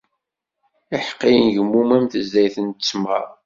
Iḥeqqiyen gemmun am tezdayt n ttmer.